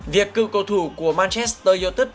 việc cưu cầu thủ của manchester united